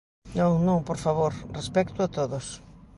Non, non, por favor, respecto a todos.